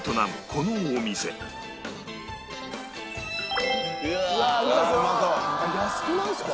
このお店安くないですか？